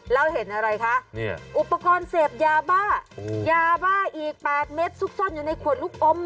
แล้วเห็นอะไรคะอุปกรณ์เสพยาบ้ายาบ้าอีก๘เม็ดซุกซ่อนอยู่ในขวดลูกอม